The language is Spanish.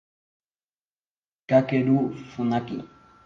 Kakeru Funaki